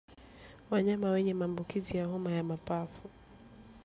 Wanyama wenye maambukizi ya homa ya mapafu